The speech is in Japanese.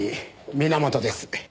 源です。